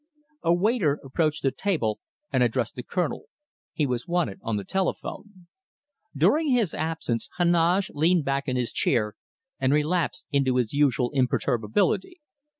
A waiter approached the table and addressed the Colonel he was wanted on the telephone. During his absence, Heneage leaned back in his chair and relapsed into his usual imperturbability.